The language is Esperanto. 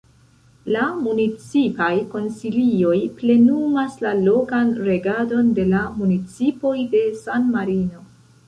La Municipaj Konsilioj plenumas la lokan regadon de la municipoj de San-Marino.